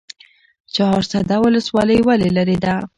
چهارسده ولسوالۍ ولې لیرې ده؟